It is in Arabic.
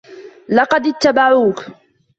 لقد اتبعوك.